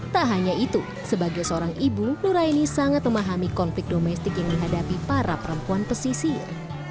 tak hanya itu sebagai seorang ibu nuraini sangat memahami konflik domestik yang dihadapi para perempuan pesisir